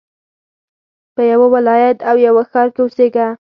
په يوه ولايت او يوه ښار کښي اوسېږه!